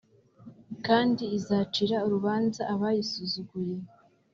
kandi izacira urubanza abayisuzuguye.